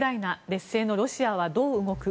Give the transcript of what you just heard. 劣勢のロシアはどう動く？